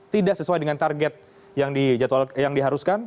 tidak sesuai dengan target yang diharuskan